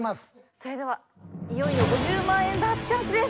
それではいよいよ５０万円ダーツチャンスです。